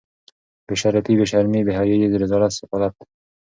بې شرفي بې شرمي بې حیايي رذالت سفالت